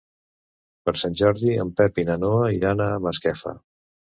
Per Sant Jordi en Pep i na Noa iran a Masquefa.